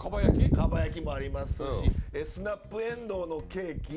かば焼きもありますしスナップエンドウのケーキ？